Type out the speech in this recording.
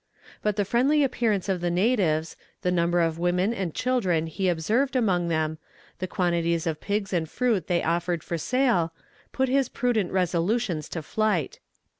"But the friendly appearance of the natives, the number of women and children he observed among them, the quantities of pigs and fruit they offered for sale, put his prudent resolutions to flight.